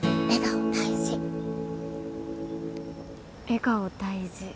笑顔大事。